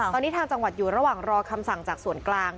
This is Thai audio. ตอนนี้ทางจังหวัดอยู่ระหว่างรอคำสั่งจากส่วนกลาง